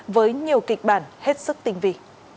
với nhiều kịch bản hết sức tinh vị